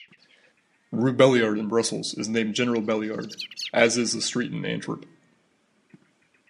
Rue Belliard in Brussels is named General Belliard, as is a street in Antwerp.